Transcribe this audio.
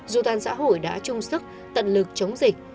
dù toàn xã hội đã chung sức tận lực chống dịch